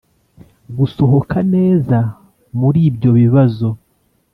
gusohoka neza muribyo bibazo.